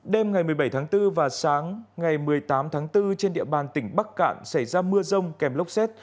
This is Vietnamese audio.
đêm ngày một mươi bảy tháng bốn và sáng ngày một mươi tám tháng bốn trên địa bàn tỉnh bắc cạn xảy ra mưa rông kèm lốc xét